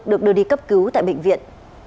được đưa đi cấp cứu tại bệnh viện